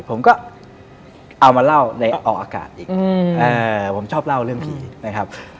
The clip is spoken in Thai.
ผมก็เอามาเล่าในออกอากาศอีกผมชอบเล่าเรื่องผีนะครับ